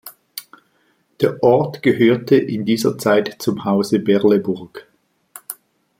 Der Ort gehörte in dieser Zeit zum Hause Berleburg.